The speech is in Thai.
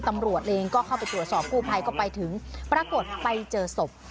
ตำรวจเองก็เข้าไปตรวจสอบกู้ภัยก็ไปถึงปรากฏไปเจอศพ